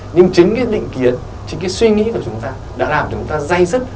nhưng chính cái định kiến chính cái suy nghĩ của chúng ta đã làm cho chúng ta dây dứt